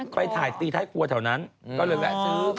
ไปถ่ายตีท้ายครัวแถวนั้นก็เลยแวะซื้อ